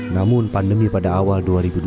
namun pandemi pada awal dua ribu dua puluh